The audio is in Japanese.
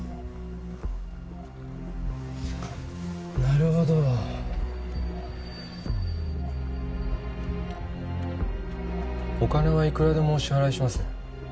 なるほどお金はいくらでもお支払いします